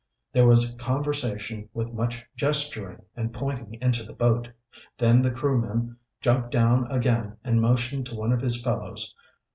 There was conversation with much gesturing and pointing into the boat. Then the crewman jumped down again and motioned to one of his fellows.